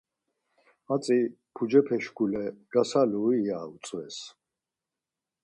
Hatzi pucepe şkule gasalui, ya utzves.